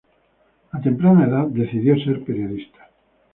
A temprana edad decidió ser periodista.